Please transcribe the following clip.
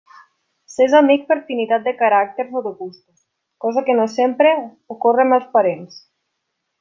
S'és amic per afinitat de caràcters o de gustos, cosa que no sempre ocorre amb els parents.